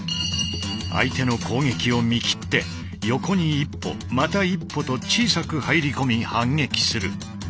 相手の攻撃を見切って横に一歩また一歩と小さく入り込み反撃する。